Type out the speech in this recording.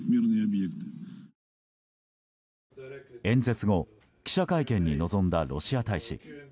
演説後記者会見に臨んだロシア大使。